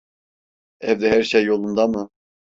Evde her şey yolunda mı?